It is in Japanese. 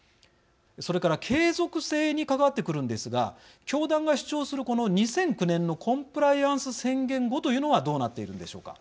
それから継続性に関わってくるんですが教団が主張するこの２００９年のコンプライアンス宣言後というのはどうなっているのでしょうか。